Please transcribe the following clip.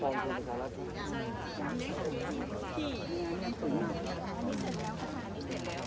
ใช่ให้ไว้ไม้เรามาดูที่ไว้ไม้สิ่งเหลือจากว่าจับเพื่อนทำอะไรได้บ้าง